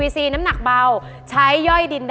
อุปกรณ์ทำสวนชนิดใดราคาถูกที่สุด